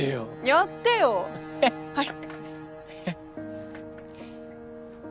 やってよはい。